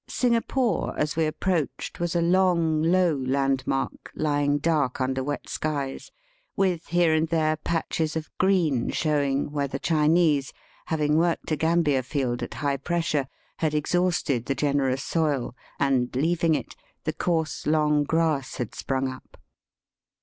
Singapore, as we approached, was a long low landmark, lying dark under wet skies, with here and there patches of green showing where the Chinese, having worked a gambia field at high pressure, had exhausted the generoua soil, and, leaving it, the coarse long grass had sprung up.